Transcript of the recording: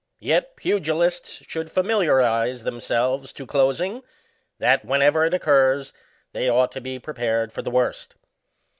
Yet pugilists should familiarise themselves to closivg^ that, whenever it occurs, they ought to be prepared for the worst.